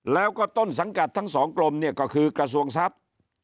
แล้วก็ต้นสังกัดทั้งสองกรมเนี่ยก็คือกระทรวงทรัพย์